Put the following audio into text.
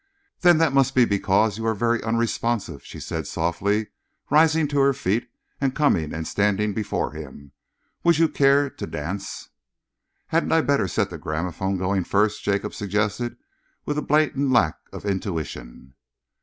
"Then that must be because you are very unresponsive," she said softly, rising to her feet and coming and standing before him. "Would you care to dance?" "Hadn't I better set the gramophone going first?" Jacob suggested, with blatant lack of intuition.